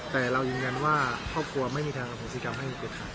แต่เรายืนยันว่าครอบครัวไม่มีทางอโหสิกรรมให้เด็ดขาด